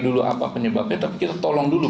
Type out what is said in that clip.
dulu apa penyebabnya tapi kita tolong dulu